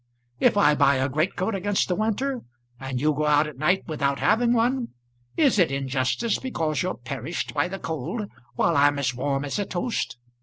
If I buy a greatcoat against the winter, and you go out at night without having one, is it injustice because you're perished by the cold while I'm as warm as a toast.